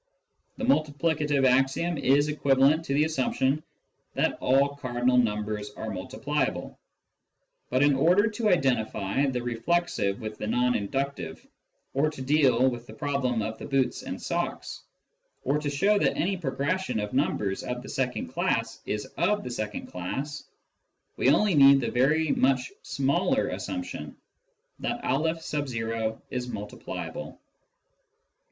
The multiplicative axiom is equivalent to the assumption that all cardinal numbers are multipliable. But in order to identify the reflexive with the non inductive, or to deal with the problem of the boots and socks, or to show that any progression of numbers of the second class is of the second class, we only need the very much smaller assumption that N is multipliable.